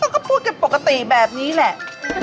เขาก็พูดแบบปกติแบบนี้แหละ